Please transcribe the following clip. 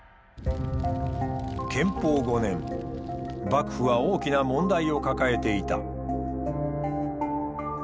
幕府は大きな問題を抱えていた。